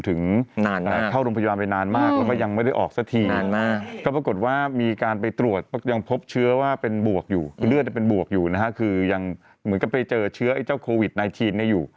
ถึงเข้ารมพยาบาลไปนานมากแล้วก็ยังไม่ได้ออกสักที